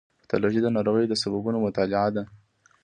پیتالوژي د ناروغیو د سببونو مطالعه ده.